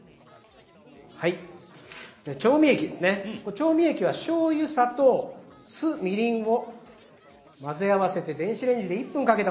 調味液はしょうゆ砂糖酢みりんを混ぜ合わせて電子レンジで１分かけたものですね。